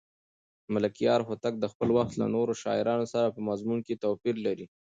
ملکیار هوتک د خپل وخت له نورو شاعرانو سره په مضمون کې توپیر لري.